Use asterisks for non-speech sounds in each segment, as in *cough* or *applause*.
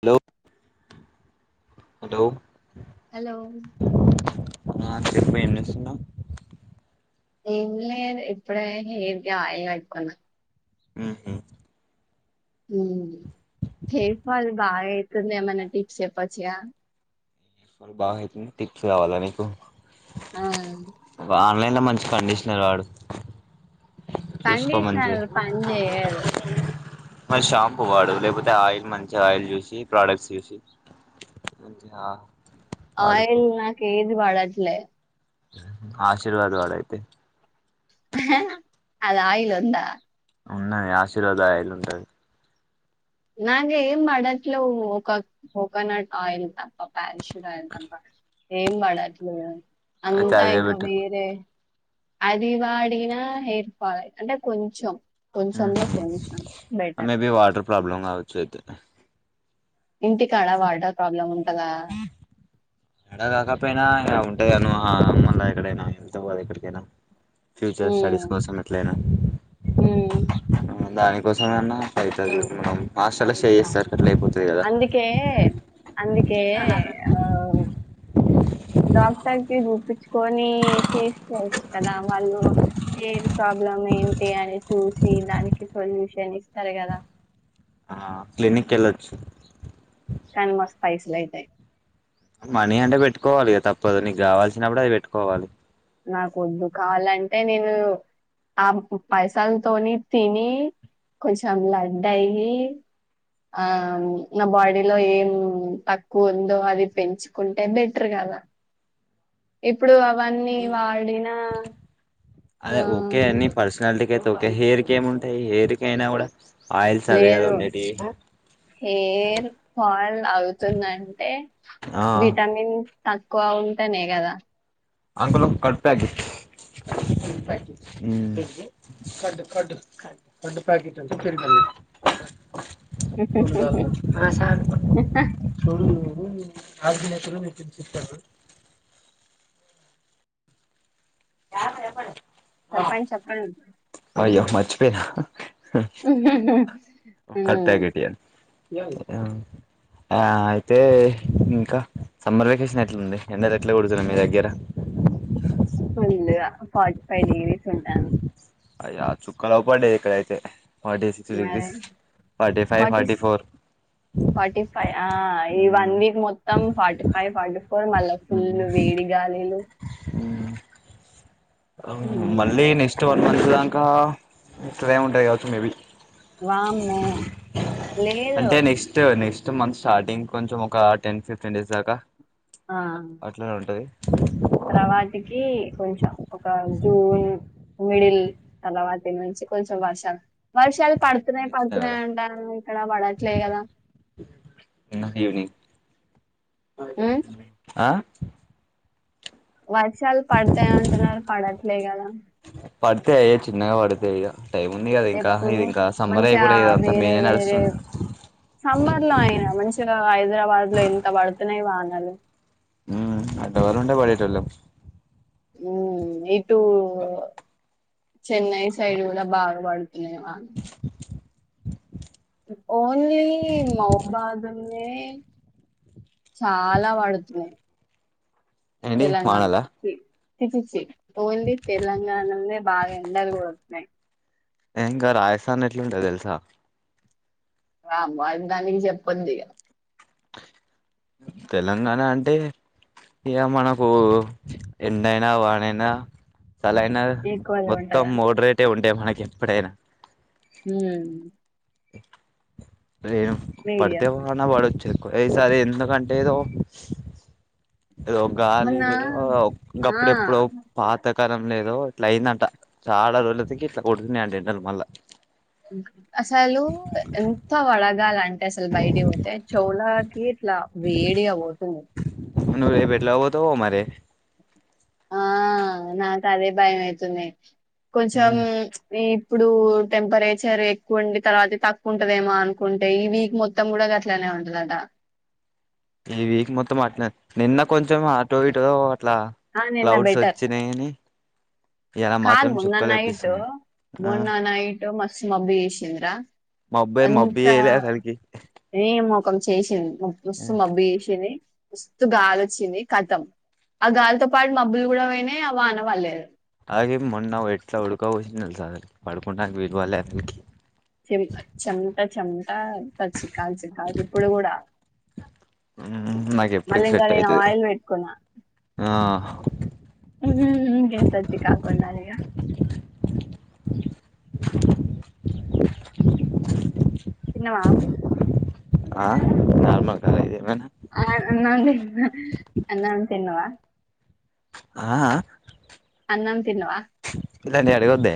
Hello hello hello ఆ చెప్పు ఏంచేస్తున్నావ్ నల్ ఇప్పుడ హెయిర్గా ఆయిల్ అట్కున్నా హహ హెరఫల్ బాగాతు మన టీప్స ప బాగా అయితుంది టిక్స్ రావాలా నీకు ఆ ల మంచి కండిషనర్ వాడు చూసుకో మంచి కండిషనర్ పనిచెయ్యదు మ షాంపూ వాడు లేకపోతే ఆయిల్ మంచిగా ఆయిల్ చూసి ప్రాడక్ట్స్ చూసి మంచిగ ఆయిల్ నాకే ఇది పడట్లే ఆశీర్వాద్ వాడయితే అది ఆయిల్ ఉందా ఉన్నాయ్ ఆశీర్వాదయాలు ఉంటది నాగ్ ఏం పడట్లలేవు ఒక కోకోనట్ ఆయిల్ తప్ప పచ్ దైల్ దాబ్బా ఏం వడట్లేవు అయితే అంతా అదే ఇంకా పెట్టుకో వేరే అది వాడిన హెయిర్ ఫాల్ అంటే కొంచెం కొంచెంలో కొంచెం బెటర్ అ మే బి వాటర్ ప్రాబ్లమ్ అవ్వొచ్చు అయితే ఇంటికాడ వాటర్ ప్రాబ్లం ఉంటందా ఇడా కాకపోయినా ఇగ ఉంటదిను ఆ మళ్ళా ఎక్కడైనా వెళ్తావ్ గా ఎక్కడికైనా ఫ్యూచర్ హ్మ్ స్టడీస్ కోసం ఎట్లయినా హ్మ్ ఉ దానికి కోసంమన్నా ఫైవ్ థౌజండ్ మనం హస్టల్లో స్టే చేస్తారు అట్లా అయిపోతుంది కదా అందుకే అందుకే ఆ డాక్టర్ కి జుప్పించుకొని చేసుకోవచ్చు కదా వాళ్ళు హెయిర్ ప్రాబ్లం ఏంటి అని చూసి దానికి సొల్యూషన్ ఇస్తారు కదా ఆ క్లినిక్ వెళ్ళోచ్చు కానీ మస్తు పైసలు అయితాయి మనీ అంటే పెట్టుకోవాలి కదా తప్పదు నీకు కావాల్సినప్పుడు అవి పెట్టుకోవాలి నాకు వద్దు కావాలంటే నేను ఆ పైసాలతోని తిని కొంచం లడ్డయ్యి ఆ నా బాడీలో ఏం తక్కువ ఉందో అది పెంచుకుంటే బెటర్ కదా ఇప్పుడు వన్నీ వాడిన ఆ ఒక హెర్ ఎం ఉంటాయ్ హెయిర్ కి అయినకుండా లేదు హెయిర్ ఫాల్ అవుతుందంటే ఆ విటమిన్ తక్కువ ఉంటానే కదా అంకుల్ ఒక curd packet hmm curd curd curd curd packet ఉంటే పెరుగన్నం చ చ సార్ చ *inaudible* రాజు ఎక్కడో నిజం చెప్పనా యా చెప్పాలే చెప్పండి చెప్పండి అయ్యో మర్చిపోయిన *unintelligible* ఒ కర్డ్ ప్యాకెట్ ఇయండి ఆ అయితే ఇంకా సమ్మర్ వెకేషన్ ఎట్లుండే ఎండలు ఎట్లా కోడుతున్నాయి మీ దగ్గర ఫుల్ ఫార్టీ ఫైవ్ డిగ్రీస్ ఉంటా అయ చుక్కలో పడ్డే ఇక్కడైతే ఫార్టీ సిక్స్టీ మరి degrees forty five forty four forty five ఈ వన్ వీక్ మొత్తం ఫార్టీ ఫైవ్ ఫార్టీ ఫోర్ మళ్ళా ఫుల్ వేడి గాలిలు ఉమ్, మళ్ళీ నెక్స్ట్ వన్ మంత్ దాన్ కా ఉంటయి కావచ్చు మేబీ వామ్మో లేదు సు మంత్ స్టార్టింగ్ కొంచెం ఒక టెన్ ఫిఫ్టీన్ డేస్ దాకా ఆ అట్లనే ఉంటది కౌష ఒక జూన్ మిడిల్ అలావాతి నుంచి కొంచెం వర్షం వర్షాలు నిన్న పడుతున్నాయి ఇచ్చిన పడుతున్నాయి కదా అంటానం ఇక్కడ పడట్లే కదా ఈవినింగ్ ఉమ్ ఆ వర్షాలు పడతాయి అంటున్నారు పడట్లే కదా పడితే అయ్యే చిన్నగా పడితే ఇగ ఎప్పుడు మంచిగా ఇదంతా వేరే మేనే వేరే నడుస్తుంది సమ్మర్ లో అయినా మంచిగా హైదరాబాద్ లో ఇంత పడుతున్నాయ వాన నలు అంటవర ఉంటే పడిటొల్లం ఉ ఏటు చెన్నై సైడ్ కూడా బాగా పడుతున్నాయివా ఓన్లీ మఉబాద్ ల్ నే చాలా వడుతున్నాయి ఏంటి తెలంగాణ మానాలా ఈ పిచ్చి ఓన్లీ తెలంగాణ ల్నే బాగా ఎండాలు కొడుతున్నాయి ఏంకా రాయస్తాన్ ఎట్లుంటది తెలుసా రా మ ఇంకానికి చెప్పంది తెలంగాణ అంటే ఇక మనకు ఎండైనా వానైనా సలైన ఈక్వల్ మొత్తం ఉంటదని మోడరేటే ఉండే మనకి ప్పు డేనా హ్మ్ *inaudible* రేను మీడియా పడితే పోన్నా పడొచ్చు ఈసారి ఎందుకంటే ఏదొ ఏదో మొన్న గాలిద ఆ గప్పుడెప్పుడో పాత కదం లేదో ఇట్లా అయిందంట చాలా రోజులకి ఇట్లా కొడుతున్నాయంటఎండలు మళ్ళ అసలు ఎంత వడగాలంటే అసలు బయటికి పోతే చోవ్లకి ఇట్లా వేడిగా పోతుంది నువ్ రేపు ఎట్ల పోతవో మరి ఆ నాకు అదే భాయమయితున్నై కొంచెం ఈ ఇప్పుడు టెంపరేచర్ ఎక్కువండి తర్వాత తక్కువ ఉంటదేమో అనుకుంటే ఈ వీక్ మొత్తం కూడా అట్లానే ఉంటదట ఈ వీక్ మొత్తం అట్లా నిన్న కొంచెం ఆటో ఇటో అట్లా ఆ నిన్న క్లౌడ్స్ బెటర్ వచ్చినాయని కాదు మొన్న నైట్ ఆ మొన్న నైట్ మస్త్ ష్ మబ్బుయేషంద్ర మబ్బ మబ్బి ఎళ అసల్ కీ కొ చేసింది మబ్బుస్స్ మబ్బేషిని వస్తూ గాలి వచ్చింది ఖతం ఆ గాలితో పాటు మబ్బులు కూడా పోయినయి అ వాన పడలేదు అలాగే మొన్న ఎట్లా ఉడుకవోసింది తెలుసా పడుకుంటా *inaudible* చెం చెమట చెమట అంత చికాకు చికాకు ఇప్పుడు కూడా ఉమ్ నాకు మళ్ళీ ఎప్పుటికి ఇంకా సెట్ నేను అయితుది ఆయిల్ పెట్టుకున్నా ఆ ఊహూ ఇంకెంత చికాకుండాలిగ తిన్నవా ఆ నార్మల్ కాల్ ఇదేమన్ ఆ అన్నం తిన్నా అన్నాం తిన్నవా ఆ ఆ అన్నం తిన్నవా ప్పుడు దాన్ని అడుగొద్దే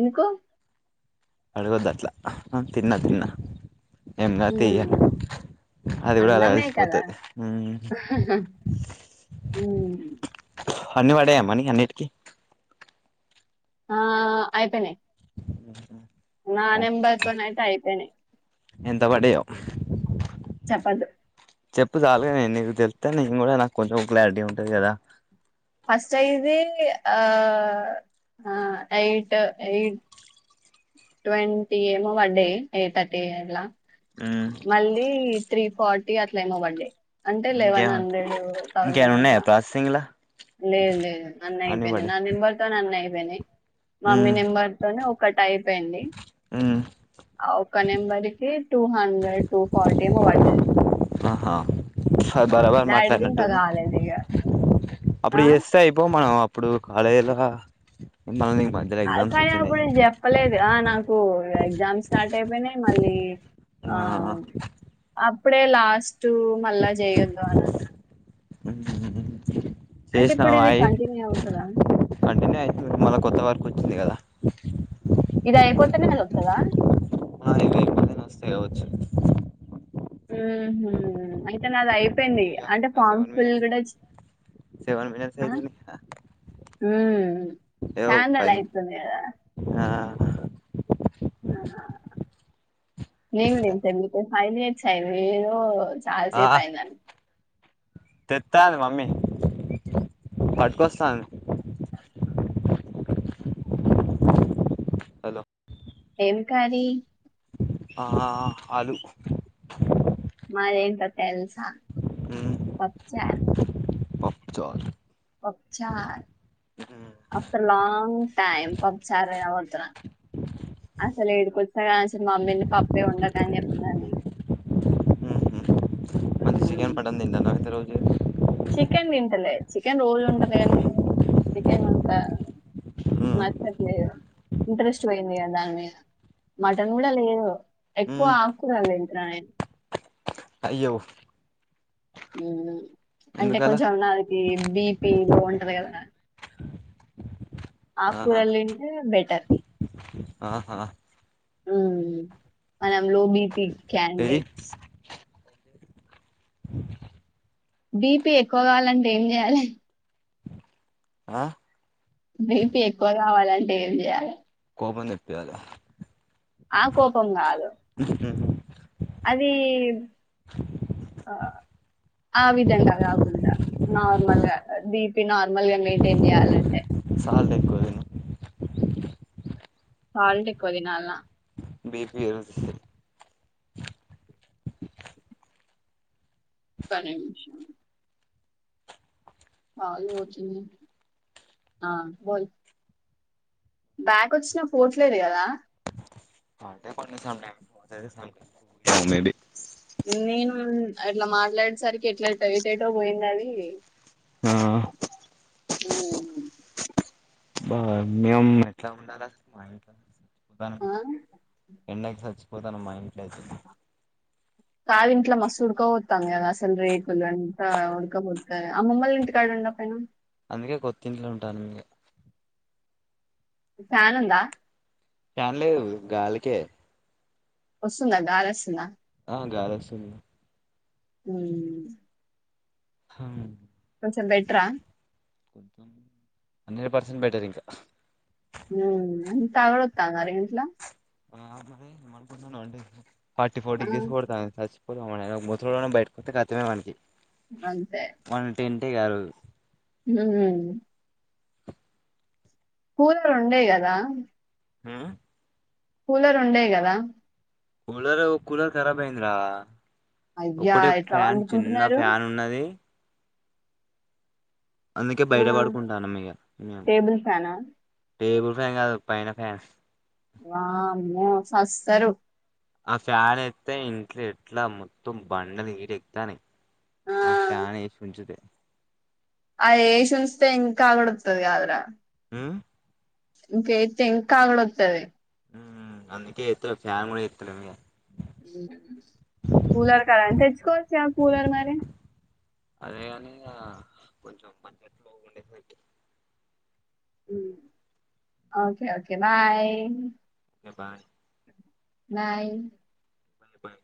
ఎంకో అడగొద్దట్ల తిన్న తిన్నా ఏమన్నా తీయ మ్మ్. అది కూడా అలా అన్నమే కలిసిపోతా కదా ఉమ్ మ్మ్. అన్ని పడేయమని అన్నిటికీ ఆ అయిపొయినయి ఊహూ నా నెంబర్ తో నెట్ అయిపోనాయి ఎంత పడ్డయో చెప్పద్దు. చెప్పు చాలుగానీ నీకు తెలిత్తే నేను కూడా నాకు కొంచెం క్లారిటీ ఉంటది కదా ఫస్టయిది ఆ ఆ ఎయిట్ ఎయి ట్వంటీ ఏమో వడ్డయి ఏ థర్టీ ఎలా మ్మ్ మళ్ళీ త్రీ ఫార్టీ అట్లేమో వడ్డయ్ అంటే లెవన్ ఇంకేం హండ్రెడ్ థౌజండ్ ఇంకేమన్నా ఉన్నాయా అట్లా ప్రాసెసింగ్లా లేదు లేదు అన్ని అయిపోయినాయి నా నెంబర్ తోనే అన్నీ అయిపోయినయి మమ్మీ మ్మ్ నెంబర్ తోనే ఒకటి అయిపోయింది మ్మ్ ఔ ఒక్క నెంబర్కి టూ హండ్రెడ్ టూ ఫార్టీ ఏమో పడ్డది ఆహా బరాబర్ డాడీది ఇంకా మాట్లాడినట్టుంది కాలేదు ఇగ అప్పుడు ఆ చేస్తే అయిపోవు మనం ఇప్పుడు కాలేజీల మిమ్మల్ని ఆ కానీ అప్పుడు చెప్పలేదే ఆ నాకు కు ఇగ ఎగ్జామ్ స్టార్ట్ అయిపోయినాయి మళ్ళీ ఊ ఆ ఆ అప్పుడే లాస్ట్ మళ్ళా చేయొదు అని అన్నారు అంటే చేసినావు ఇప్పుడది కంటిన్యూ అవుతదా మళ్ళ కొత్త వర్క్ వచ్చింది కదా ఇది అయిపోతేనే అది వస్తుందా *inaudible* వస్తే అవచ్చు మ్మ్ హు అయితే నాది అయిపోయింది. ఇగ అయ్యా అంటే ఇంకా ఫామ్ సెవెన్ ఫిల్ మినిట్స్ కూడా సెవెన్ మినిట్స్ *inaudible* అవుతుంది మ్మ్ ఏవో చాలారోజులు పది అవుతది కదా ఆ నేను డిస్టెన్స్ తింటా ఎందుకో ఫైవ్ మినిట్స్ అయింది ఏదో చాలా సేపు అయిందండి తెత్తందీ మమ్మీ పట్టుకొస్తంది హలో ఏం కర్రీ ఆ ఆలూ మాదేంటో తెల్స్ పప్పుచారు పప్పుచార్ పప్పు చార్ ఆఫ్టర్ లాంగ్ టైమ్ పప్పు చార్ తినపోతున్నా అసలు ఈడకి ఒచ్చినకానించి అసలు మమ్మీని పప్పే వండకు అని చెప్పిన నేను ఉహు చికెన్, మట్టన్ తింటున్నారా ఇన్ని రోజులు *unintelligible* చికెన్ తింటలే చికెన్ రోజు ఉంటది కానీ చికెన్ అంతా ఉమ్ నచ్చట్లేదు ఇంట్రెస్ట్ పోయింది ఇగ దాని మీద ఉమ్ మటన్ కూడా లేదు ఎక్కువ ఉమ్. ఆకుకూరలు తింట్ రా ఇట్ అయ్యో అంటే ఎందుకలా కొంచెం నాకి బీ పి లో ఉంటది కదా ఆహా ఆకుకూరలు తింటే బెటర్ ఆహా మనం లో బి పి ఏయ్ క్యాండిడ్స్ బీ పీ ఎక్కువ కావాలంటే ఏం చేయాలి ఆ బీ పీ ఎక్కువ కావాలంటే ఏం చేయాలి కోపం తెప్పియాలి ఆ కోపం కాదు అది ఆ విధంగా కాకుండా నార్మల్ గా బీ పి నార్మల్ గా మెయింటైన్ చేయాలంటే సాల్ట్ ఎక్కువ తిను సాల్ట్ ఎక్కువ తినాల్నా మీర్ మీరు ఒక్క నిమిషం *unintelligible* వచ్చిందేంటీ బ్యాక్ వచ్చినా పోవట్లేదు కదా అవునండి నేను అట్ల మాట్లాడేసరికి ఎట్లెటో ఏటేటో పోయింది అది ఆ *inaudible* బా మేము ఎట్లా ఉండాలా మా ఇంట్లో ఉద్దాను ఆ? ఎండకి చచ్చిపోతానాం మా ఇంట్లో ఐతే కాదు ఇంట్లో మస్తు ఉడకపోతాంది కదా అసలు రేకులు అంతా ఉడకపోత అమ్మమ్మోళ్ళింటి కాడ ఉండపైనా అందుకే కొత్తింట్లో ఉంటాను ఇంగా ఫ్యాన్ ఉందా ఫ్యాన్ లేదు గాలికే వస్తుందా గాలస్తుందా ఆ గాలొస్తుంది ఊ హమ్ చం బెటరా కొంచెం హండ్రెడ్ పర్సెంట్ బెటర్ ఇంకా అ తగడ తాంగరేట్లా ఆ మరి మనుకున్నాను అండి ఫార్టీ ఫోర్ ఆ డిగ్రీస్ కొడతాను సచ్ ము బయటకుత్తే ఖతమే మనకి అంతే ఏం కాదు హమ్ కూలర్ ఉండే కదా హా కూలర్ ఉండేయి కదా కూలర్ కూలర్ ఖరాబ్ అయిందరా అయ్యా ఒకటే ఎట్లా ఫ్యాన్ చిన్న వండుకుంటున్నారు ఫ్యాన్ ఉన్నది అందుకే ఆ బయట పడుకుంటాన మింక టేబుల్ ఫ్యానా టేబుల్ ఫ్యాన్ కాదు పైన ఫ్యాన్ వామ్మో సస్తారు ఆ ఫ్యాన్ అయితే ఇంట్లో ఎట్లా మొత్తం బండలు హీటెక్కుతునై ఆ ఫ్యానేసిపెంచుతే అది ఏషించితే ఇంకాగడోతది గదరా హమ్ ఇంక అయతే ఇంకా ఉడుకుఅయితది అందుకే ఏతులే ఫ్యాన్ కూడా ఎత్తలేం కూలర్ కద అని తెచ్చుకోవచ్చా కూలర్ మరి అదేగాని కొంచెం బడ్జెట్లోలో ఉండేదికి హ్మ్ ఒకే ఒకే బాయ్ కె బా బాయ్ పోయి